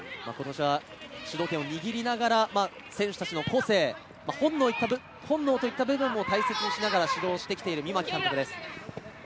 主導権を握りながら選手達の個性、本能といった部分を大切にしながら指導してきている御牧監督です。